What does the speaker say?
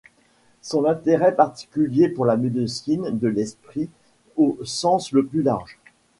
Son intérêt particulier pour la médecine de l'esprit au sens le plus large.